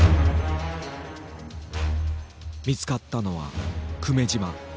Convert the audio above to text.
見つかったのは久米島。